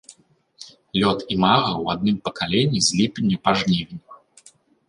Лёт імага ў адным пакаленні з ліпеня па жнівень.